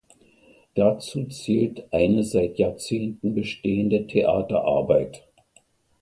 Dazu zählt eine seit Jahrzehnten bestehende Theaterarbeit.